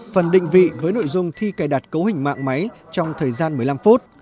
phần định vị với nội dung thi cài đặt cấu hình mạng máy trong thời gian một mươi năm phút